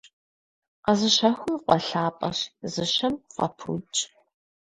Къэзыщэхум фӀэлъапӀэщ, зыщэм фӀэпудщ.